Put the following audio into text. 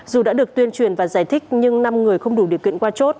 dù đã được tuyên truyền và giải thích nhưng năm người không đủ điều kiện qua chốt